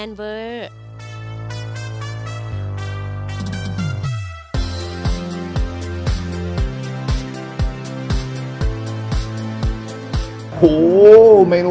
สวัสดีครับ